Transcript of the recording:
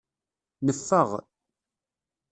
Neffeɣ.